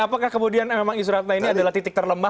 apakah kemudian memang isratnya ini adalah titik terlemah